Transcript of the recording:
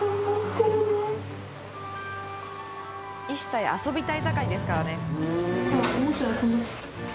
１歳遊びたい盛りですからね。